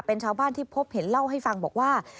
เป็นชาวบ้านที่พบเห็นเล่าให้ฟังบอกว่า